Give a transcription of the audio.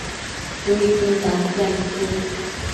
Chuiquin tantiamequin